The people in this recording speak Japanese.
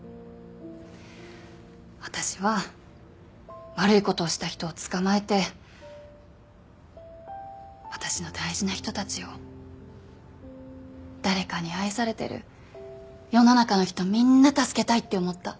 私は悪い事をした人を捕まえて私の大事な人たちを誰かに愛されてる世の中の人みんな助けたいって思った。